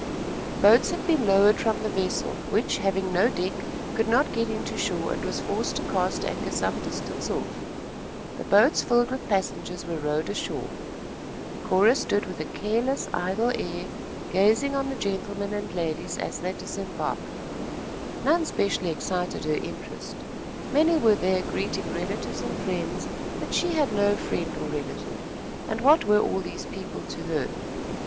Boats had been lowered from the vessel, which, having no deck, could not get into shore and was forced to cast anchor some distance off. The boats, filled with passengers, were rowed ashore. Cora stood with a careless, idle air gazing on the gentlemen and ladies as they disembarked. None specially excited her interest. Many were there greeting relatives and friends; but she had no friend or relative, and what were all those people to her?